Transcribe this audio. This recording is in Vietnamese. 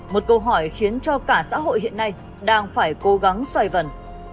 một câu hỏi khiến cho cả xã hội hiện nay đang phải cố gắng xoay vần